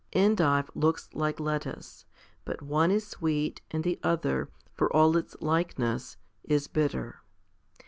Endive looks like lettuce ; but one is sweet, and the other, for all its likeness, is bitter.